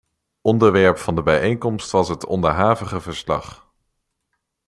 Onderwerp van de bijeenkomst was het onderhavige verslag.